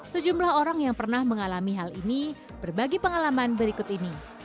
sejumlah orang yang pernah mengalami hal ini berbagi pengalaman berikut ini